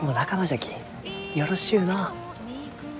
よろしゅうのう。